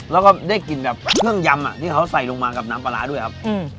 แล้วก็ได้กลิ่นแบบเครื่องยำที่เขาใส่ลงมากับน้ำปลาร้าด้วยครับ